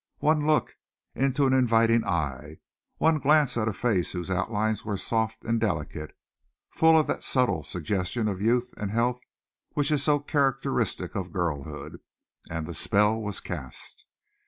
One look into an inviting eye, one glance at a face whose outlines were soft and delicate full of that subtle suggestion of youth and health which is so characteristic of girlhood and the spell was cast.